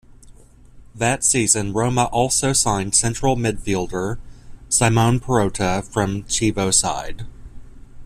That season, Roma also signed central midfielder Simone Perrotta from Chievo side.